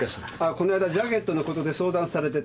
この間ジャケットのことで相談されてた。